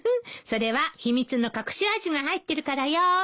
それは秘密の隠し味が入ってるからよ。